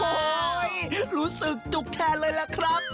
โอ้โหรู้สึกจุกแทนเลยล่ะครับ